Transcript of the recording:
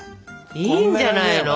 いいんじゃないの？